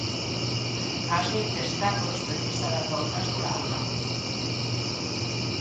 Ás veces Carlos precisa dar voltas pola aula.